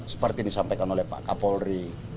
seperti yang disampaikan oleh pak kapolri